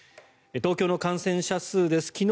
東京の感染者数です。